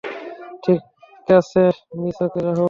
ঠিকাছে miss okay Rahul.